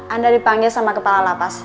anda dipanggil sama kepala lapas